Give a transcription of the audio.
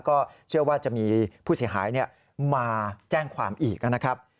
ก็เชื่อว่าจะมีผู้เสียหายมาแจ้งความอีกนะครับ